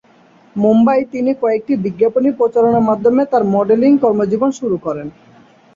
মুম্বাই তিনি কয়েকটি বিজ্ঞাপনী প্রচারণায় মাধ্যমে তার মডেলিং কর্মজীবন শুরু করেন।